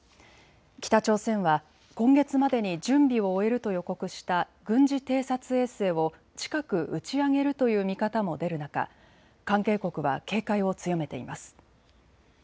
北朝鮮は今月までに準備を終えると予告した軍事偵察衛星を近く打ち上げるという見方も出る中、関係国は警戒を強めています。